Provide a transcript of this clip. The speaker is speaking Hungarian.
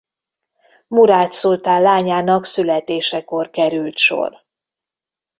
Murád szultán lányának születésekor került sor.